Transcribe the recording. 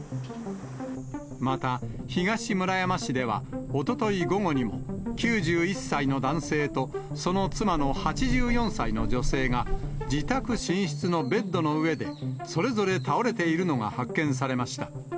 また、東村山市ではおととい午後にも、９１歳の男性とその妻の８４歳の女性が自宅寝室のベッドの上で、それぞれ倒れているのが発見されました。